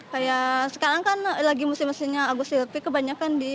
kayak sekarang kan lagi musim musimnya agus silvi kebanyakan di